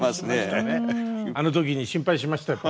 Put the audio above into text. あの時に心配しましたよ